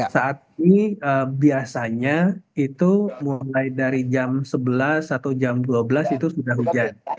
saat ini biasanya itu mulai dari jam sebelas atau jam dua belas itu sudah hujan